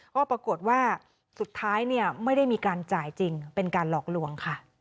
ก็ปรากฏว่าสุดท้ายไม่ได้มีการจ่ายจริงเป็นการหลอกลวงค่ะ